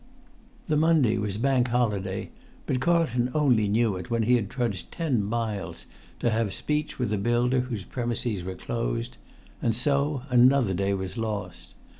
The Monday was Bank Holiday; but Carlton only knew it when he had trudged ten miles to have speech with a builder whose premises were closed; and so another day was lost.